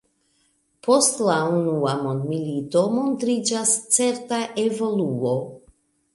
Post la unua mondmilito montriĝas certa evoluo.